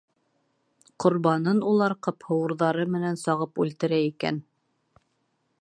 Ҡорбанын улар ҡыпһыуырҙары менән сағып үлтерә икән.